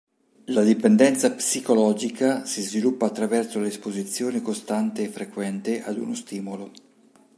La dipendenza psicologica si sviluppa attraverso l'esposizione costante e frequente ad uno stimolo.